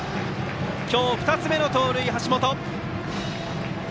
今日２つ目の盗塁、橋本。